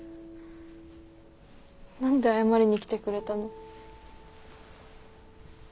何で謝りに来てくれたの？